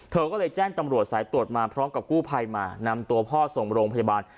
เธอก็เลยแจ้งตำรวจสายตรวจมาพร้อมกับกู้ภัยมานำตัวพ่อส่งโรงพยาบาล